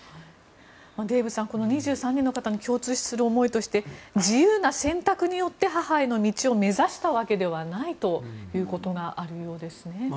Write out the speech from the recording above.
デーブさん２３人の方に共通する思いとして自由な選択によって母への道を目指したわけではないということがあるようですね。